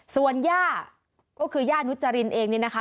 ส่วนย่าก็คือย่านุจรินเองเนี่ยนะคะ